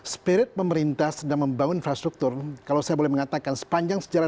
spirit pemerintah sedang membangun infrastruktur kalau saya boleh mengatakan sepanjang sejarah